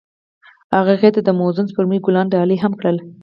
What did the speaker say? هغه هغې ته د موزون سپوږمۍ ګلان ډالۍ هم کړل.